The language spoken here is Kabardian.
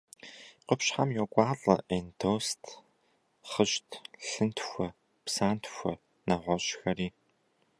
Къупщхьэм йокӏуалӏэ эндост, хъыщт, лъынтхуэ, псантхуэ, нэгъуэщӏхэри.